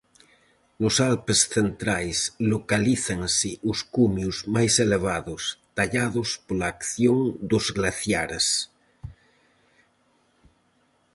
Nos Alpes Centrais localízanse os cumios máis elevados, tallados pola acción dos glaciares.